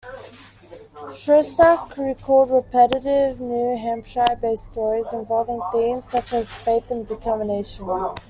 Shostak recalled repetitive New Hampshire-based stories involving themes such as faith and determination.